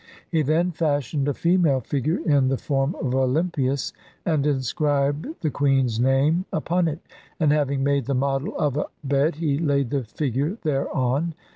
He then fashioned a female figure in the form of Olympias, and inscribed the Queen's name upon it, and having made the model of a bed he laid the figure thereon.